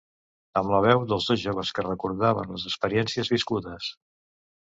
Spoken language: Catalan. Amb la veu dels dos joves que recordaven les experiències viscudes.